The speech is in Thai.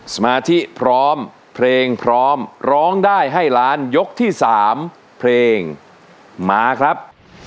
สมาธิพร้อมเพลงพร้อมร้องได้ให้ล้านยกที่๓เพลงมาครับ